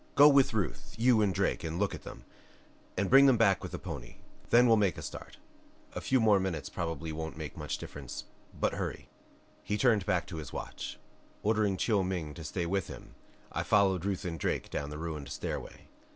"Go with Ruth, you and Drake, and look at them. And bring them back with the pony. Then we'll make a start. A few minutes more probably won't make much difference but hurry." He turned back to his watch. Ordering Chiu Ming to stay with him I followed Ruth and Drake down the ruined stairway.